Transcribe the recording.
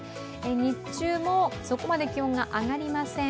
日中もそこまで気温が上がりません。